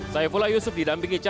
saifullah yusuf di damping jawa timur